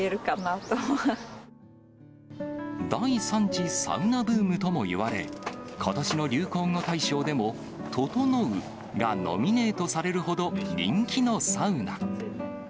第３次サウナブームともいわれ、ことしの流行語大賞でも、ととのうがノミネートされるほど人気のサウナ。